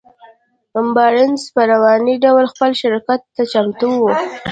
بارنس په رواني ډول خپل شراکت ته چمتو و.